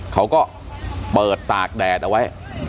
เขาก็เปิดตากแดดเอาไว้